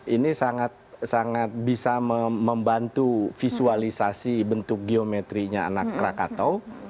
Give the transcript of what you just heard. ini sangat bisa membantu visualisasi bentuk geometrinya anak krakatau